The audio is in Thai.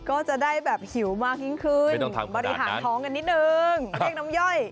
ก็จะได้แบบหิวมากยิ่งขึ้นไม่ต้องถามขนาดนั้นบริหารท้องกันนิดนึงเรียกน้ำย่อย